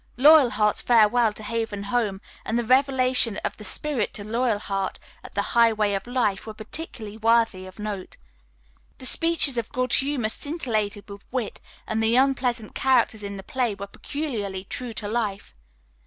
Loyalheart's farewell to Haven Home and the revelation of the Spirit to Loyalheart at the Highway of Life were particularly worthy of note. The speeches of Good Humor scintillated with wit, and the unpleasant characters in the play were peculiarly true to life.